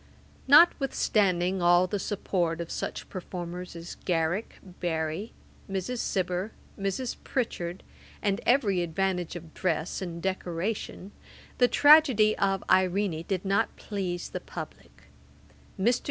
Notwithstanding all the support of such performers as Garrick, Barry, Mrs. Cibber, Mrs. Pritchard, and every advantage of dress and decoration, the tragedy of Irene did not please the publick. Mr.